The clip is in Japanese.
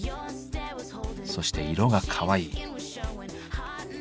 そして色がかわいい。